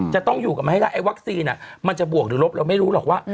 จะต้องอยู่กันมาให้ได้ไอ้วัคซีนมันจะบวกหรือลบเราไม่รู้หรอกว่า